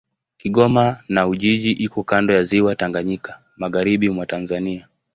Kigoma na Ujiji iko kando ya Ziwa Tanganyika, magharibi mwa Tanzania.